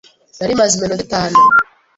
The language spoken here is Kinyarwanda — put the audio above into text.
Nari maze iminota itanu.